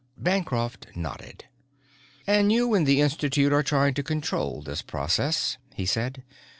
Bancroft nodded. "And you in the Institute are trying to control this process," he said.